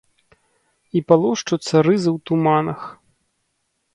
І палошчуцца рызы ў туманах.